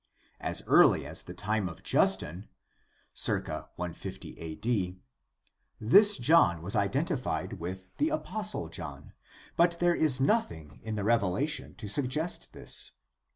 As early as the time of Justin {ca. 150 A.D.) this John was identified with the apostle John, but there is nothing in the Revelation to suggest this.